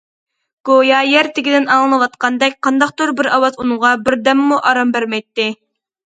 گويا يەر تېگىدىن ئاڭلىنىۋاتقاندەك قانداقتۇر بىر ئاۋاز ئۇنىڭغا بىر دەممۇ ئارام بەرمەيتتى.